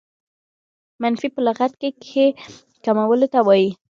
منفي په لغت کښي کمولو ته وايي.